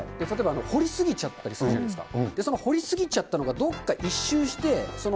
彫り過ぎちゃったりするじゃないですか。